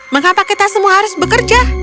mengapa kita semua harus bekerja